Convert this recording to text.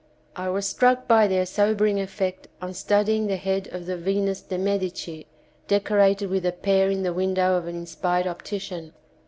I was struck by their sobering effect on study ing the head of the Venus de Medici deco rated with a pair in the window of an inspired optician.